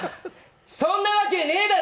そんなわけねーだろ。